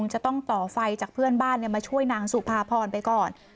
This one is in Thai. จะต้องต่อไฟจากเพื่อนบ้านมาช่วยนางสุภาพรไปก่อน